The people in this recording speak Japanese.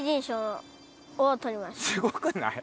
すごくない？